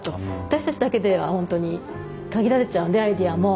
私たちだけでは本当に限られちゃうんでアイデアも。